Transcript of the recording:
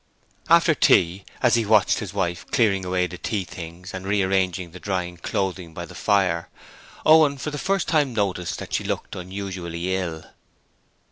After tea, as he watched his wife clearing away the tea things and rearranging the drying clothing by the fire, Owen for the first time noticed that she looked unusually ill.